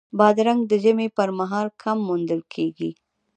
بادرنګ د ژمي پر مهال کم موندل کېږي.